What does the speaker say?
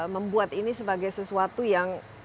membuat ini sebagai sesuatu yang